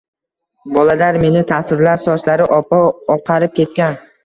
Bolalar meni tasvirlab: “Sochlari oppoq oqarib ketgan